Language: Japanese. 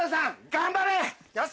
頑張れ！